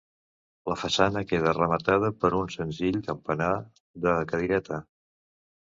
La façana queda rematada per un senzill campanar de cadireta.